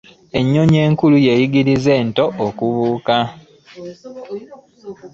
Ennyonyi enkulu y'eyigiriza ento okubuuka.